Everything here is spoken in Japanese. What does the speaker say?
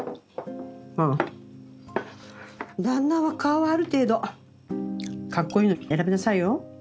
ああ旦那は顔はある程度かっこいいのを選びなさいよ。